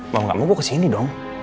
mau gak mau gue kesini dong